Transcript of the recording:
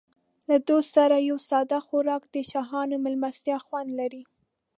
له دوست سره یو ساده خوراک د شاهانه مېلمستیا خوند لري.